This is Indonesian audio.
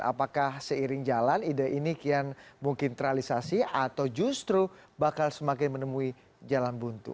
apakah seiring jalan ide ini kian mungkin terrealisasi atau justru bakal semakin menemui jalan buntu